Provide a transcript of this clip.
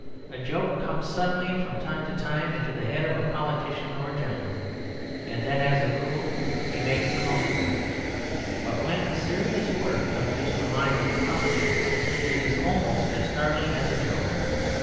A joke comes suddenly from time to time into the head of a politician or a gentleman, and then as a rule he makes the most of it; but when a serious word comes into the mind of a coster it is almost as startling as a joke.